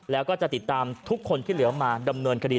แล้วก็จะติดตามทุกคนที่เหลือมาดำเนินคดี